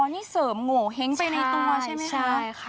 นี่เสริมหงวเฮ้งเป็นในตัวใช่ไหมคะ